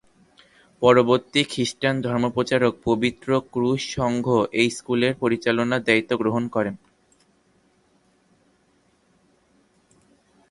পরবর্তীতে খ্রীষ্টান ধর্মপ্রচারক পবিত্র ক্রুশ সংঘ এই স্কুলের পরিচালনার দায়িত্ব গ্রহণ করে।